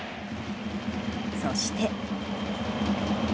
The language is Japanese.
そして。